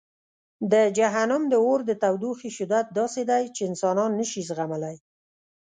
د جهنم د اور د تودوخې شدت داسې دی چې انسانان نه شي زغملی.